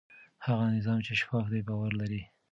هغه نظام چې شفاف دی باور لري.